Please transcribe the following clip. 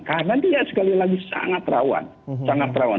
karena dia sekali lagi sangat rawan